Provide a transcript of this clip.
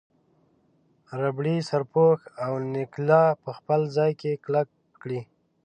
ربړي سرپوښ او نلکه په خپل ځای کې کلک کړئ.